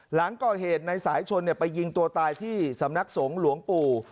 หลังก่อเหตุในสายชนไปยิงตัวตายที่สำนักสงฆ์หลวงปู่